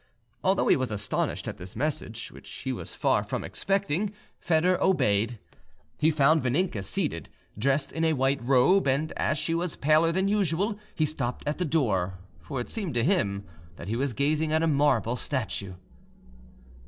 Although he was astonished at this message, which he was far from expecting, Foedor obeyed. He found Vaninka seated, dressed in a white robe, and as she was paler than usual he stopped at the door, for it seemed to him that he was gazing at a marble statue.